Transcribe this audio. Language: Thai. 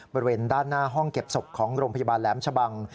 บริเวณด้านหน้าห้องเก็บศพของโรงพยาบาลแหลมชะบัง